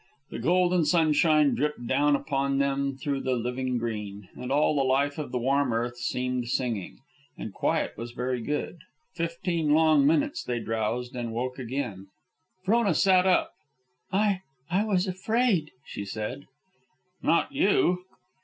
The golden sunshine dripped down upon them through the living green, and all the life of the warm earth seemed singing. And quiet was very good. Fifteen long minutes they drowsed, and woke again. Frona sat up. "I I was afraid," she said. "Not you."